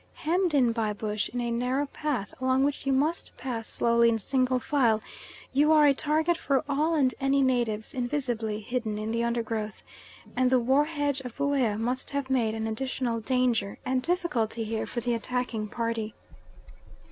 Hemmed in by bush, in a narrow path along which you must pass slowly in single file, you are a target for all and any natives invisibly hidden in the undergrowth; and the war hedge of Buea must have made an additional danger and difficulty here for the attacking party.